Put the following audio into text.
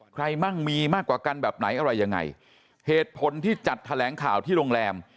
มั่งมีมากกว่ากันแบบไหนอะไรยังไงเหตุผลที่จัดแถลงข่าวที่โรงแรม